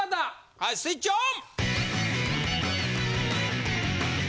はいスイッチオン！